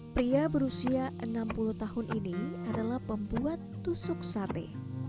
pria berusia enam puluh tahun ini adalah pembuat tusuk sate